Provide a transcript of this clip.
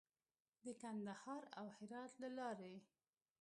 د کندهار او هرات له لارې.